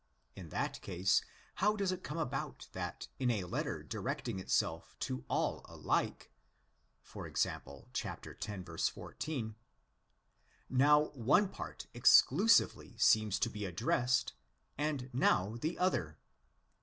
In that case, how does it come about that in a letter directing itself to all alike (e.g., x. 14) now one part exclusively seems to be addressed and now the other?